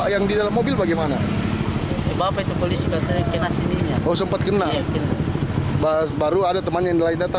yang di dalam mobil bagaimana